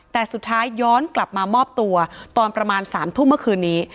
แต่สุดท้ายย้อนกลับมามอบตัวตอนประมาณ๓ทุ่มเมื่อคืนนี้